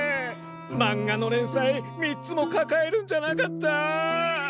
まんがのれんさい３つもかかえるんじゃなかった！